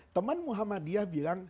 teman muhammadiyah bilang